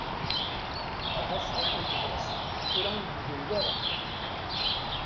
Aha cwiṭ n tebɣest tura ur d-yegri wara.